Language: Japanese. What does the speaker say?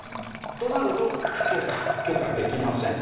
となると不許可許可できません。